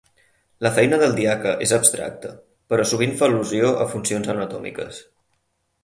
La feina del diaca és abstracta, però sovint fa al·lusió a funcions anatòmiques.